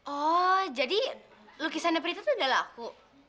oh jadi lukisannya prita tuh udah laku